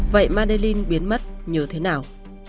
vậy madeleine biến mất như thế nào